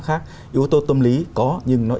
khác yếu tố tâm lý có nhưng nó